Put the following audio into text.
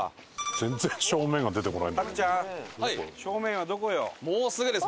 全然正面が出てこないんだけど。